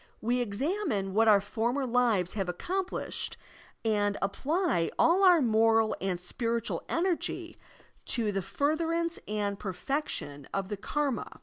We examine what our former lives have accomplished and apply all our moral and spiritual energy to the furtherance and perfection of the karma.